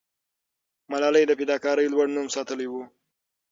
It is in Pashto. ملالۍ د فداکارۍ لوړ نوم ساتلې وو.